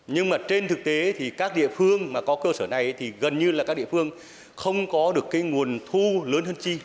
nhưng mà trên thực tế thì các địa phương mà có cơ sở này thì gần như là các địa phương không có được cái nguồn thu lớn hơn chi